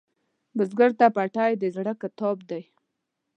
بزګر ته پټی د زړۀ کتاب دی